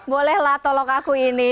bolehlah tolong aku ini